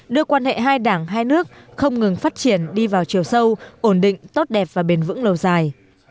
đưa quan hệ hai đảng hai nước không ngừng phát triển đi vào chiều sâu ổn định tốt đẹp và bền vững lâu dài